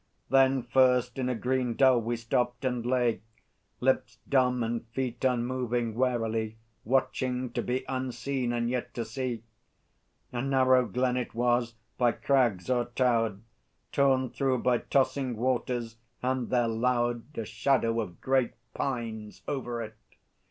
Then first in a green dell we stopped, and lay, Lips dumb and feet unmoving, warily Watching, to be unseen and yet to see. A narrow glen it was, by crags o'ertowered, Torn through by tossing waters, and there lowered A shadow of great pines over it.